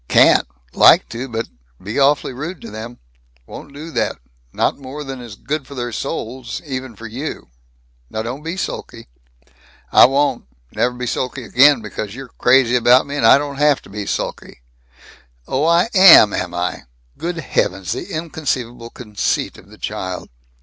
"Can't. Like to, but Be awfully rude to them. Won't do that not more than is good for their souls even for you. Now don't be sulky." "I won't. Nev' be sulky again, because you're crazy about me, and I don't have to be sulky." "Oh, I am, am I! Good heavens, the inconceivable conceit of the child!"